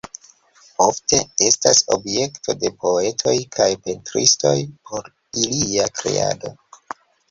Ofte estas objekto de poetoj kaj pentristoj por ilia kreado.